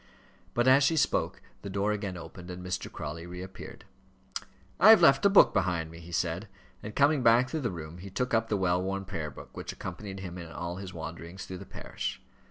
But as she spoke the door again opened, and Mr. Crawley reappeared. "I have left a book behind me," he said; and, coming back through the room, he took up the well worn prayer book which accompanied him in all his wanderings through the parish.